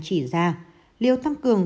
chỉ ra liều tăng cường